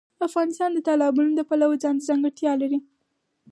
افغانستان د تالابونه د پلوه ځانته ځانګړتیا لري.